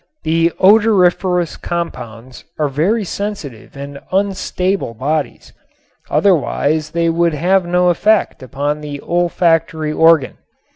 The odoriferous compounds are very sensitive and unstable bodies, otherwise they would have no effect upon the olfactory organ.